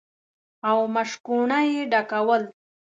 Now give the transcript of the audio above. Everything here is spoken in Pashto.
او مشکونه يې ډکول.